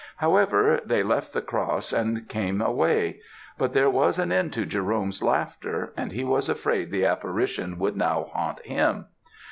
However, they left the cross and came away; but there was an end to Jerome's laughter, and he was afraid the apparition would now haunt him.